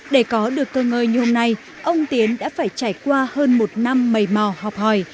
để có được cơ ngơi như hôm nay ông tiến đã phải trải qua hơn một năm mầy mò học hỏi